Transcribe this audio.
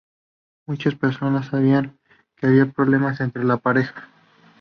Muchas personas sabían que había problemas entre la pareja.".